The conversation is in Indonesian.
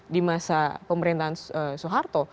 di masa pemerintahan soeharto